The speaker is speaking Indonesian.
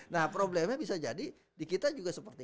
nah problemnya bisa jadi di kita juga seperti